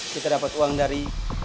kita dapet uang dari